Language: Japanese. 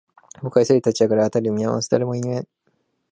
僕は急いで立ち上がる、辺りを見回す、誰もいない